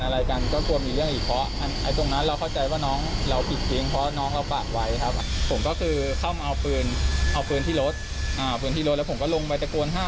แล้วผมก็เก็บปืนเลย